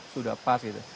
sudah pas gitu